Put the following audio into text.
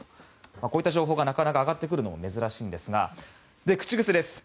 こういった情報が上がってくるのもなかなか珍しいんですが口癖です。